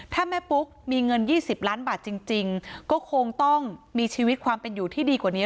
ถ้าแม่ปุ๊กมีเงิน๒๐ล้านบาทจริงก็คงต้องมีชีวิตความเป็นอยู่ที่ดีกว่านี้